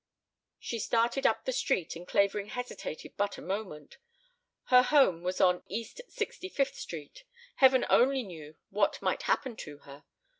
She started up the street and Clavering hesitated but a moment. Her home was on East Sixty fifth Street. Heaven only knew what might happen to her.